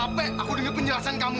cape aku denger penjelasan kamu